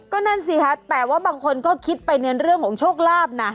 ก็นั่นสิคะแต่ว่าบางคนก็คิดไปในเรื่องของโชคลาภนะ